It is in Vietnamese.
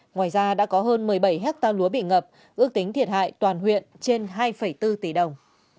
ngoài ra đã có hơn một mươi bảy hectare lúa bị ngập ước tính thiệt hại toàn huyện trên hai bốn tỷ đồng